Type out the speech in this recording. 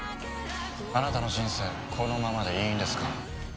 あなたの人生このままでいいんですか。